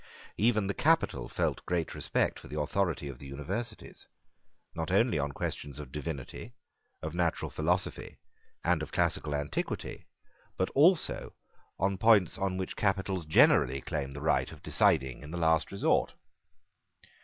Even the capital felt great respect for the authority of the Universities, not only on questions of divinity, of natural philosophy, and of classical antiquity, but also on points on which capitals generally claim the right of deciding in the last resort.